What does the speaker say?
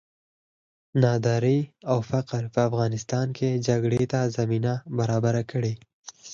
ناداري او فقر په افغانستان کې جګړې ته زمینه برابره کړې.